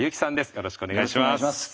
よろしくお願いします。